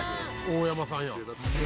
大山さんや。